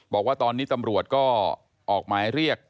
บอกว่าตอนนี้ตำรวจก็ออกหมายเรียก